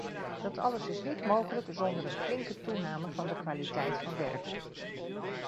Dat alles is niet mogelijk zonder een flinke toename van de kwaliteit van werk.